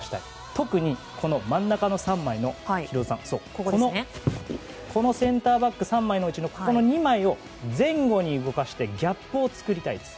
特にこの真ん中の３枚のセンターバック３枚のうちのこの２枚を前後に動かしてギャップを作りたいです。